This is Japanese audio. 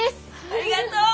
ありがとう。